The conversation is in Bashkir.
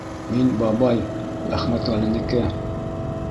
Мин, бабай, Әхмәтғәленеке.